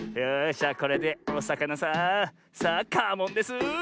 じゃこれでおさかなさんさあカモンです。